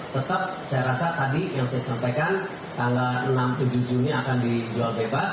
tetap saya rasa tadi yang saya sampaikan tanggal enam tujuh juni akan dijual bebas